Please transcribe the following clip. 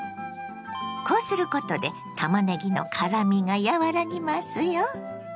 こうすることでたまねぎの辛みが和らぎますよ。